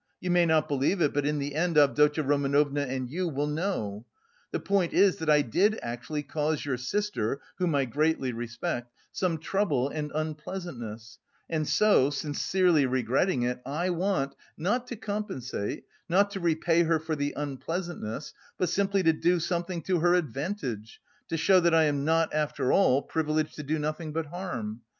You may not believe it, but in the end Avdotya Romanovna and you will know. The point is, that I did actually cause your sister, whom I greatly respect, some trouble and unpleasantness, and so, sincerely regretting it, I want not to compensate, not to repay her for the unpleasantness, but simply to do something to her advantage, to show that I am not, after all, privileged to do nothing but harm.